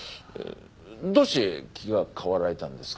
どうして気が変わられたんですか？